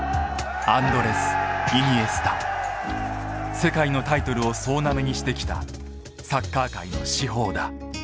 世界のタイトルを総なめにしてきたサッカー界の至宝だ。